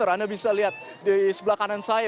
anda bisa lihat di sebelah kanan saya